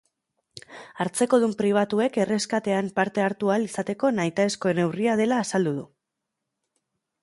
Hartzekodun pribatuek erreskatean parte hartu ahal izateko nahitaezko neurria dela azaldu du.